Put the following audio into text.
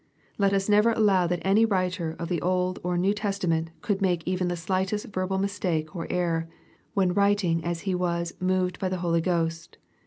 Let us never allow that any writer of the Old or New Testa ment could make even the slightest verbal mistake or error, when writing as he was "moved by the Holy Ghost.''